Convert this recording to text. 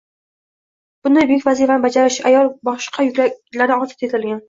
Bunday buyuk vazifani bajarish uchun ayol boshqa yuklardan ozod etilgan